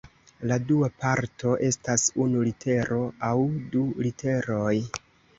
La dua parto estas unu litero aŭ du literoj.